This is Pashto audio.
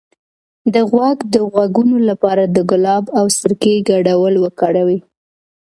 د غوږ د غږونو لپاره د ګلاب او سرکې ګډول وکاروئ